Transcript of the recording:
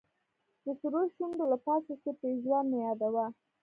د سرو شونډو له پاسه سور پېزوان مه يادوه